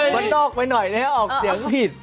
มันนอกไปหน่อยนะฮะออกเสียงผิด